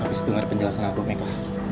abis itu gak ada penjelasan aku meka